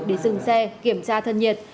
để dừng xe kiểm tra thân nhiệt